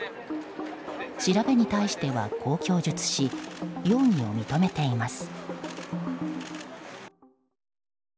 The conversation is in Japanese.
調べに対しては、こう供述し容疑を認めています。